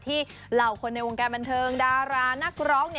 เหล่าคนในวงการบันเทิงดารานักร้อง